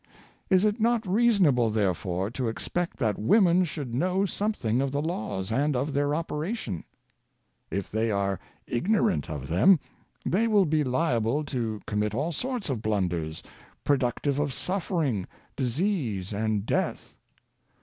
Is it not reasonable, therefore, to expect that women should know something of the laws, and of their operation? Household Management. 53 If they are ignorant of them, they will be liable to com mit all sorts of blunders, productive of suffering, dis ease and death.